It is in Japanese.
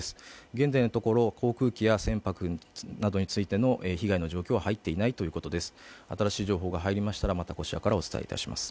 現在のところ航空機や船舶などについての被害の状況は入っていないということです。